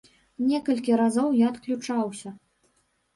Некалькі разоў я адключаўся.